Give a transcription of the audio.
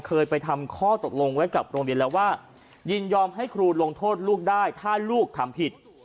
เคยไปทำข้อตกลงไว้กับโรงเรียนแล้วว่ายินยอมให้ครูลงโทษลูกได้ถ้าลูกทำผิด